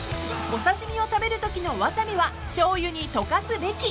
［お刺し身を食べるときのわさびはしょうゆに溶かすべき］